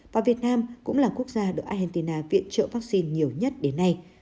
và việt nam cũng là quốc gia được argentina viện trợ vaccine nhiều nhất đến nay